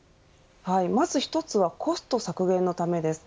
まず１つはコスト削減のためです。